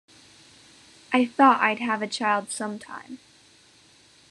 I thought I'd have a child some time.